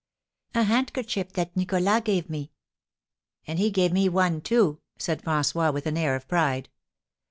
"A handkerchief that Nicholas gave me." "And he gave me one, too," said François, with an air of pride.